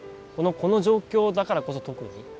この状況だからこそ特に。